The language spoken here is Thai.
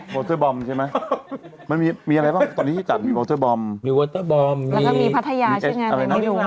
แบ๋งมาไปงานที่หัวทะยามีวัตเตอร์บอมแล้วก็มีพาทยา